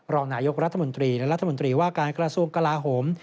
รองนายกรัฐมนตรีและรัฐมนตรีว่าการกระทรวงกลาโหม